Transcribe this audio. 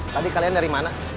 tadi kalian dari mana